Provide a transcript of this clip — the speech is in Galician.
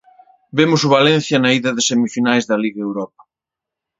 Vemos o Valencia na ida de semifinais da Liga Europa.